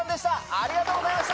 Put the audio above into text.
ありがとうございます。